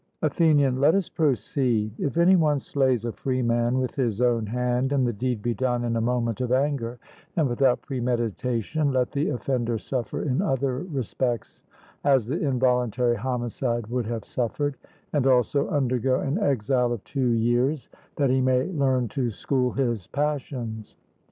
ATHENIAN: Let us proceed: If any one slays a freeman with his own hand, and the deed be done in a moment of anger, and without premeditation, let the offender suffer in other respects as the involuntary homicide would have suffered, and also undergo an exile of two years, that he may learn to school his passions.